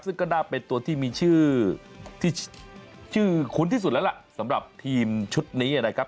ซึ่งก็น่าเป็นตัวที่มีชื่อที่ชื่อคุ้นที่สุดแล้วล่ะสำหรับทีมชุดนี้นะครับ